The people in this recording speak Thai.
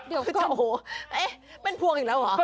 เดี๋ยวไปก่อนโอ้โหเป็นพวงอีกแล้วเหรอ